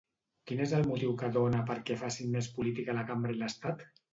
Quin és el motiu que dona perquè facin més política la cambra i l'estat?